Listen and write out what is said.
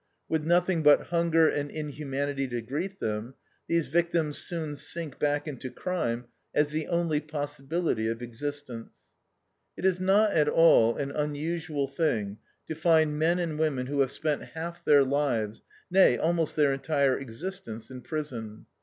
With nothing but hunger and inhumanity to greet them, these victims soon sink back into crime as the only possibility of existence. It is not at all an unusual thing to find men and women who have spent half their lives nay, almost their entire existence in prison.